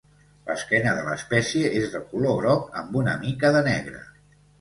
L'esquena de l'espècie és de color groc amb una mica de negre.